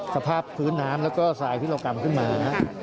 สภาพพื้นน้ำแล้วก็ทรายที่เรากำขึ้นมา